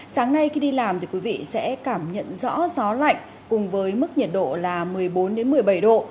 sáng nay khi đi làm thì quý vị sẽ cảm nhận rõ gió lạnh cùng với mức nhiệt độ là một mươi bốn một mươi bảy độ